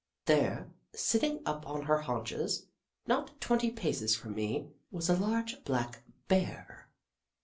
There, sitting up on her haunches, not twenty paces from me, was a large black Bear!